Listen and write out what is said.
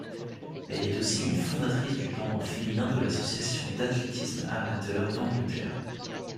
Elle est aussi une fondatrice du pendant féminin de l'Association d'athlétisme amateur d'Angleterre.